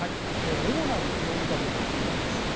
主な要因は３つになります。